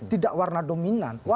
tidak warna dominan